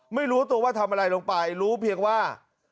ไม่รู้ตัวว่าทำอะไรลงไปรู้เพียงว่า